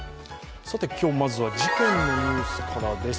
今日、まずは事件のニュースからです。